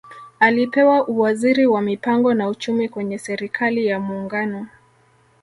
Alipewa uwaziri wa Mipango na Uchumi kwenye Serikali ya Muungano